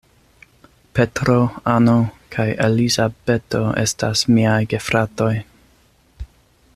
Petro, Anno kaj Elizabeto estas miaj gefratoj.